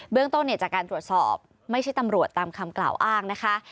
เรื่องต้นจากการตรวจสอบไม่ใช่ตำรวจตามคำกล่าวอ้างนะคะ